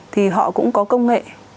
thì họ cũng có công nghệ